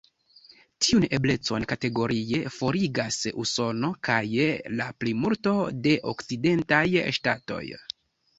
Tiun eblecon kategorie forigas Usono kaj la plimulto de okcidentaj ŝtatoj.